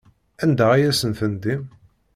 Anda ay asen-tendim?